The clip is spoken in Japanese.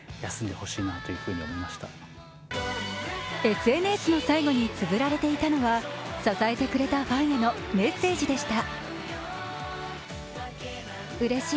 ＳＮＳの最後につづられていたのは支えてくれたファンへのメッセージでした。